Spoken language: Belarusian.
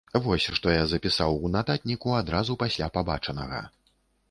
Вось што я запісаў у нататніку адразу пасля пабачанага.